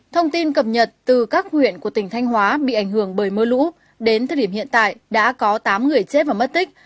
thông tin cập nhật từ các huyện của tỉnh thanh hóa bị ảnh hưởng bởi mưa lũ đến thời điểm hiện tại đã có tám người chết và mất tích